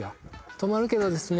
止まるけどですね